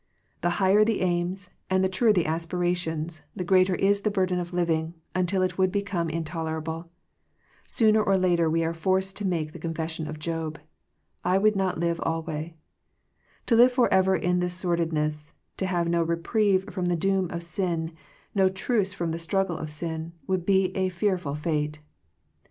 The higher the aims, and the truer the aspirations, the greater is the burden of living, until it would become intolerable. Sooner or later we are forced to make the confession of Job, I would not live alway." To live forever in this sordidness, to have no reprieve from the doom of sin, no truce from the struggle of sin, would be a fearful fate.